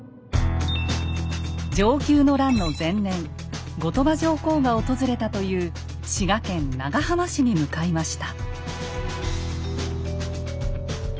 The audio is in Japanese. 承久の乱の前年後鳥羽上皇が訪れたという滋賀県長浜市に向かいました。